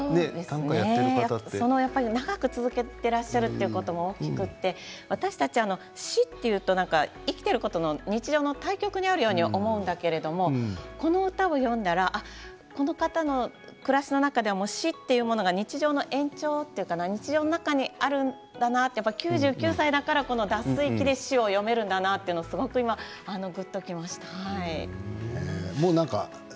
長く続けていらっしゃるということも大きくて私たちは死というものは生きていることの日常の対極にあるものと思うんだけれどこの歌を詠んだらこの方の暮らしの中では死は日常の中にあるんだなって９９歳だから脱水機で一首を詠めるんだなとぐっときました。